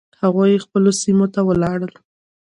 هغوی خپلو سیمو ته ولاړل.